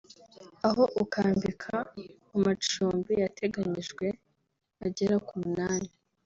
aho ukambika mu macumbi yateganijwe agera ku munani